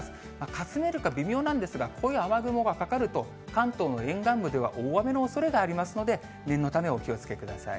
かすめるか微妙なんですが、こういう雨雲がかかると、関東の沿岸部では大雨のおそれがありますので、念のため、お気をつけください。